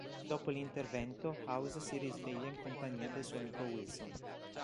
Dopo l'intervento House si risveglia in compagnia del suo amico Wilson.